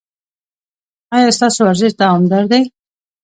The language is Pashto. ایا ستاسو ورزش دوامدار دی؟